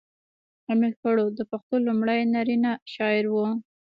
امیر کروړ د پښتو لومړی نرینه شاعر و .